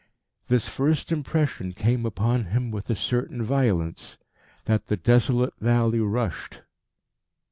This first impression came upon him with a certain violence: that the desolate valley rushed.